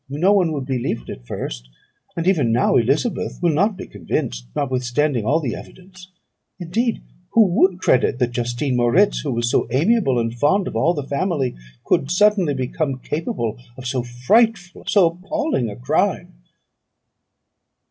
No one would believe it at first; and even now Elizabeth will not be convinced, notwithstanding all the evidence. Indeed, who would credit that Justine Moritz, who was so amiable, and fond of all the family, could suddenly become capable of so frightful, so appalling a crime?"